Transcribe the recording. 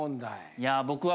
いや僕は。